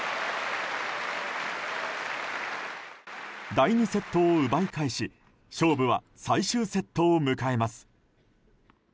第２セットを奪い返し勝負は最終セットを迎えます。